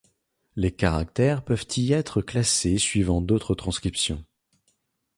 Les caractères peuvent y être classés suivant d'autres transcriptions.